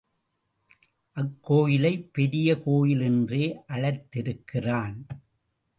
அக்கோயிலை பெரிய கோயில் என்றே அழைத்திருக்கிறான்.